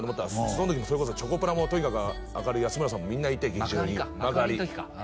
その時もそれこそチョコプラもとにかく明るい安村さんもみんないて劇場に幕張か幕張の時か幕張